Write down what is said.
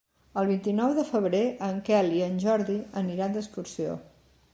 El vint-i-nou de febrer en Quel i en Jordi aniran d'excursió.